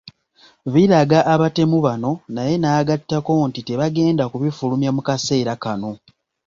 Biraga abatemu bano naye n’agattako nti tebagenda kubifulumya mu kaseera kano.